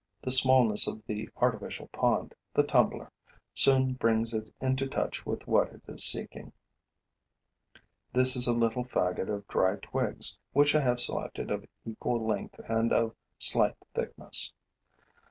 The smallness of the artificial pond, the tumbler, soon brings it into touch with what it is seeking. This is a little faggot of dry twigs, which I have selected of equal length and of slight thickness.